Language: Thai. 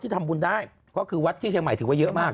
ทำบุญได้ก็คือวัดที่เชียงใหม่ถือว่าเยอะมาก